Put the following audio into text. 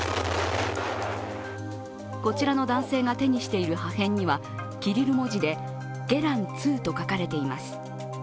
こちらの男性が手にしている破片にはキリル文字で「ゲラン２」と書かれています。